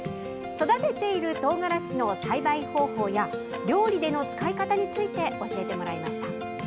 育てているトウガラシの栽培方法や料理での使い方について教えてもらいました。